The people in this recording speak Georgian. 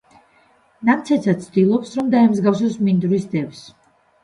ნამცეცა ცდილობს, რომ დაემსგავსოს მინდვრის დევს.